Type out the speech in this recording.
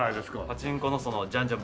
パチンコのジャンジャン